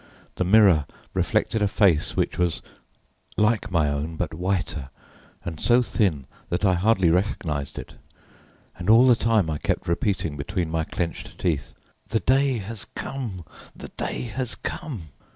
The mirror reflected a face which was like my own, but whiter, and so thin that I hardly recognized it And all the time I kept repeating between my clenched teeth, "The day has come! the day has come!"